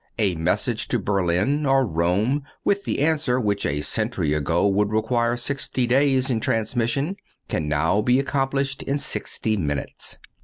A message to Berlin or Rome with the answer, which a century ago would require sixty days in transmission, can now be accomplished in sixty minutes.